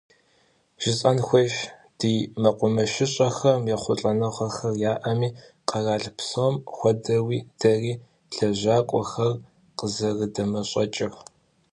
Жысӏэн хуейщ, ди мэкъумэшыщӏэхэм ехъулӏэныгъэхэр яӏэми, къэрал псом хуэдэуи, дэри лэжьакӏуэхэр къызэрыдэмэщӏэкӏыр.